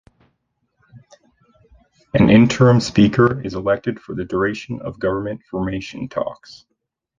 An interim speaker is elected for the duration of government formation talks.